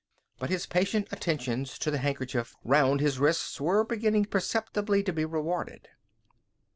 But his patient attentions to the handkerchief round his wrists were beginning perceptibly to be rewarded.